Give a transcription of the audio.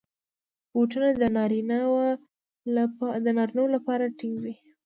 بوټونه د نارینه وو لپاره ټینګ وي.